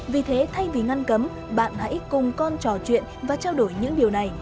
vì thế thay vì ngăn cấm bạn hãy cùng con trò chuyện và trao đổi những điều này